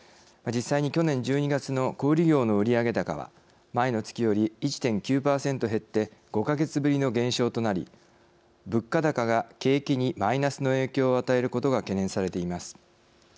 実際に、去年１２月の小売業の売上高は前の月より１．９％減って５か月ぶりの減少となり物価高が景気にマイナスの影響を与えることが懸念されています。